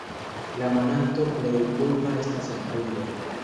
La monato plej pluva estas aprilo.